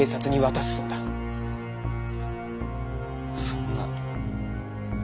そんな。